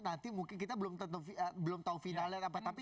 nanti mungkin kita belum tahu finalnya apa tapi